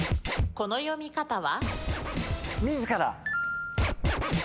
この読み方は？